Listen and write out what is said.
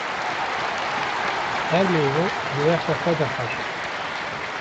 Her meywe di wexta xwe de xweş e